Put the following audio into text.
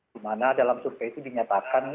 di mana dalam survei itu dinyatakan